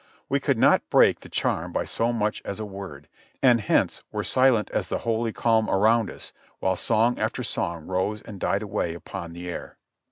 We could not break the charm by so much as a word, and hence were silent as the holy calm around us, while song after song rose and died away upon the air.